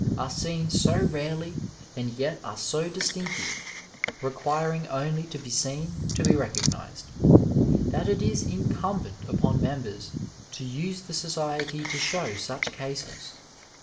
are seen so rarely and yet are so distinctive, requiring only to be seen to be recognized, that it is in cmnbent upon members to use the society to show such cases.